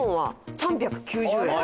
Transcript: ３９０円。